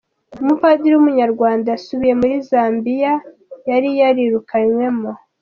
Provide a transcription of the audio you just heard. Umupadiri w’Umunyarwanda yasubiye muri Zambiyayari yirukanywemo